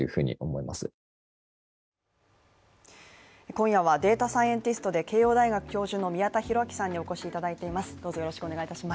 今夜はデータサイエンティストで慶応義塾大学教授の宮田裕章さんにお越しいただいています。